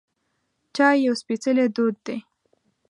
چای یو سپیڅلی دود دی.